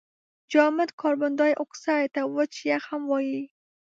جامد کاربن دای اکساید ته وچ یخ هم وايي.